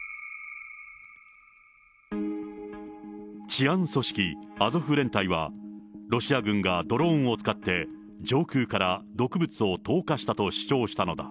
治安組織、アゾフ連隊は、ロシア軍がドローンを使って、上空から毒物を投下したと主張したのだ。